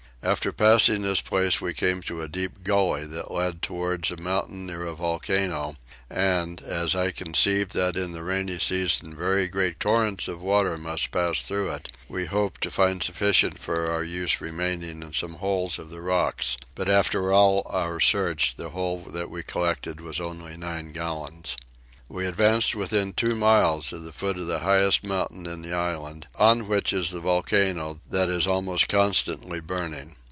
After passing this place we came to a deep gully that led towards a mountain near a volcano and, as I conceived that in the rainy season very great torrents of water must pass through it, we hoped to find sufficient for our use remaining in some holes of the rocks; but after all our search the whole that we collected was only nine gallons. We advanced within two miles of the foot of the highest mountain in the island, on which is the volcano that is almost constantly burning.